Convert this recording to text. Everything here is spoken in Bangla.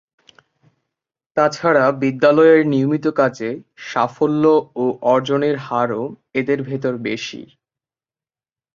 তাছাড়া বিদ্যালয়ের নিয়মিত কাজে সাফল্য ও অর্জনের হারও এদের ভেতর বেশি।